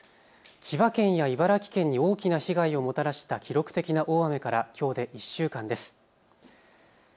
千葉県や茨城県に大きな被害をもたらした記録的な大雨からきょうで１週間です。